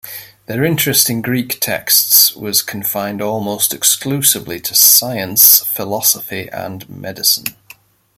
Their interest in Greek texts was confined almost exclusively to science, philosophy and medicine.